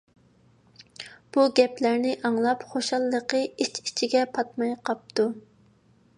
بۇ گەپلەرنى ئاڭلاپ، خۇشاللىقى ئىچ - ئىچىگە پاتماي قاپتۇ.